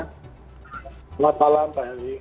selamat malam pak harry